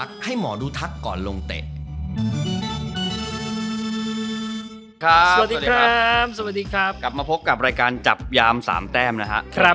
กลับมาพบกับรายการจับยามสามแต้มนะครับ